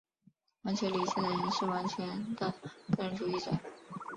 完全理性的人是完全的个人主义者。